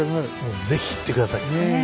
是非行って下さい。